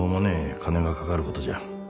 金がかかることじゃ。